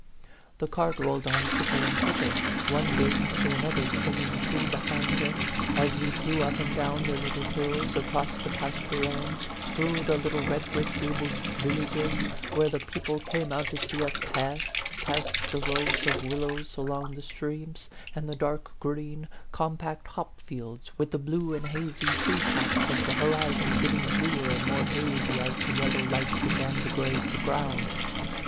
The cart rolled on quicker and quicker, one gate after another swinging to behind us, as we flew up and down the little hills, across the pasture lands, through the little red brick gabled villages, where the people came out to see us pass, past the rows of wil lows along the streams, and the dark green, compact hop fields, with the blue and hazy tree tops of the horizon getting bluer and more hazy as the yellow light began to graze the ground.